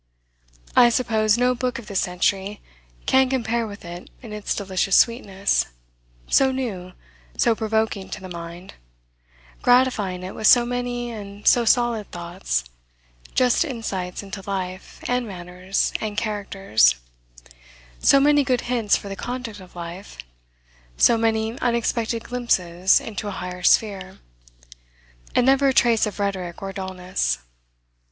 I suppose no book of this century can compare with it in its delicious sweetness, so new, so provoking to the mind, gratifying it with so many and so solid thoughts, just insights into life, and manners, and characters; so many good hints for the conduct of life, so many unexpected glimpses into a higher sphere, and never a trace of rhetoric or dullness.